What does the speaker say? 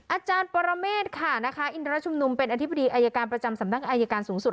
อาจารย์ปรเมฆค่ะนะคะอินทรชุมนุมเป็นอธิบดีอายการประจำสำนักอายการสูงสุด